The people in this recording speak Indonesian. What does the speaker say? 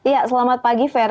ya selamat pagi ferdi